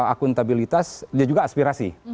akuntabilitas dia juga aspirasi